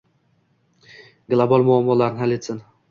Global muammolarni hal etilsin